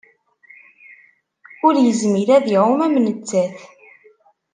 Ur yezmir ad iɛum am nettat.